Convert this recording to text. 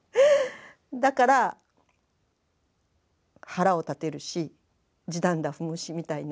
だから腹を立てるしじだんだ踏むしみたいな。